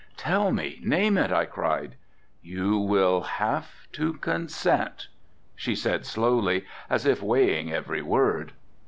"Tell me, name it," I cried. "You will have to consent," she said slowly, as if weighing every word.